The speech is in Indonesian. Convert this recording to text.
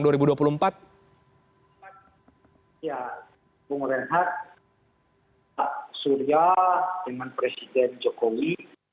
ya tunggul rehat pak surya dengan presiden jokowi